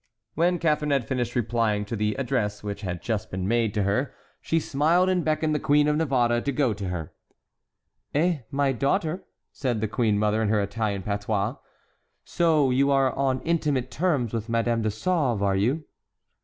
When Catharine had finished replying to the address which had just been made to her she smiled and beckoned the Queen of Navarre to go to her. "Eh, my daughter," said the queen mother, in her Italian patois, "so you are on intimate terms with Madame de Sauve, are you?"